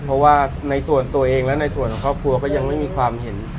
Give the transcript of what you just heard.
เพราะว่าในส่วนตัวเองและในส่วนของครอบครัวก็ยังไม่มีความเห็น